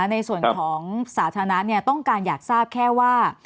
ในส่วนของสาธารณะต้องการอยากทราบแค่ว่า